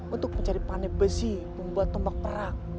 untuk mencari panip besi membuat tombak perak